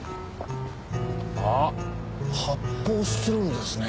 あっ発泡スチロールですね。